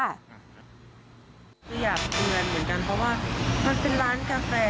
ก็อยากเตือนเหมือนกันเพราะว่ามันเป็นร้านกาแฟ